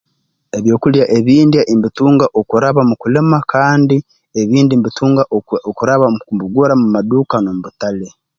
Ebyokulya ebi ndya mbitunga okuraba mu kulima kandi ebindi mbitunga oku okuraba mbigura mu maduuka n'omu butale